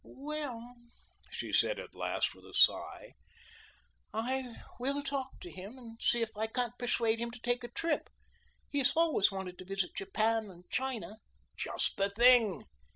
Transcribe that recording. "Well," she said at last, with a sigh, "I will talk to him and see if I can't persuade him to take a trip. He has always wanted to visit Japan and China." "Just the thing!"